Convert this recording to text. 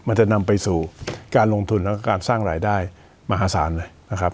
มันจะนำไปสู่การลงทุนแล้วก็การสร้างรายได้มหาศาลเลยนะครับ